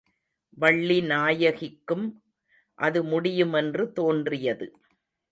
வள்ளிநாயகிக்கும் அதுமுடியுமென்று தோன்றியது.